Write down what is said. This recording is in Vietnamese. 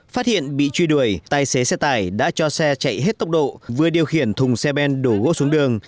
phát hiện bị truy đuổi tài xế xe tải đã cho xe chạy hết tốc độ vừa điều khiển thùng xe ben đổ gỗ xuống đường